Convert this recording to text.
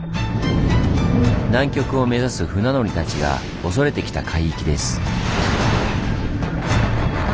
南極を目指す船乗りたちが恐れてきた海域です。